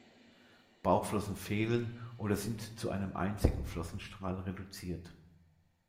Bauchflossen fehlen oder sind zu einem einzigen Flossenstrahl reduziert.